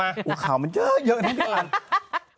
ข่าวมันเยอะเยอะนี่